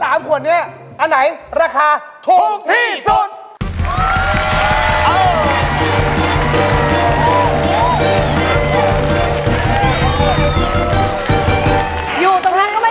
อันนี้ถูกกว่า